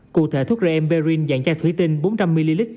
cụ thể thuốc remperin dạng chai thủy tinh bốn trăm linh ml